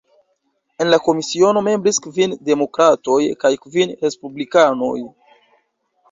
En la komisiono membris kvin Demokratoj kaj kvin Respublikanoj.